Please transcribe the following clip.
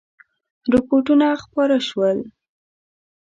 رپوټونه خپاره شول.